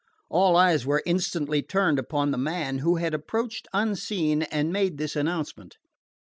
All eyes were instantly turned upon the man who had approached unseen and made this announcement.